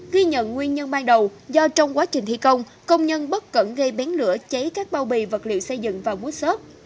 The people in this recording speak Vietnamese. ghi nhận nguyên nhân ban đầu do trong quá trình thi công công nhân bất cẩn gây bén lửa cháy các bao bì vật liệu xây dựng và mút xốp